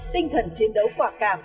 tinh thần chiến đấu quả cảm